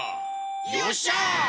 よっしゃ！